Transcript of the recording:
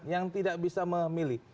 yang tidak bisa memilih